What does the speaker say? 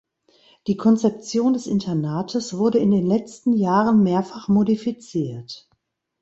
Die Konzeption des Internates wurde in den letzten Jahren mehrfach modifiziert.